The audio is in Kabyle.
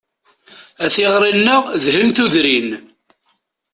A tiɣri-nneɣ dhen tudrin.